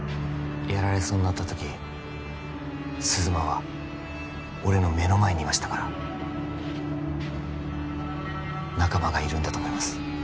やられそうになった時鈴間は俺の目の前にいましたから仲間がいるんだと思います